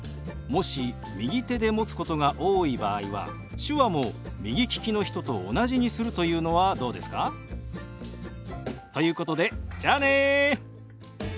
もし右手で持つことが多い場合は手話も右利きの人と同じにするというのはどうですか？ということでじゃあね。